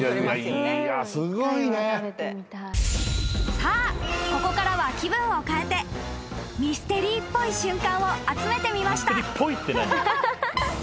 ［さあここからは気分を変えてミステリーっぽい瞬間を集めてみました］